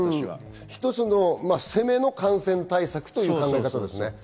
一つ、攻めの感染対策ということですね。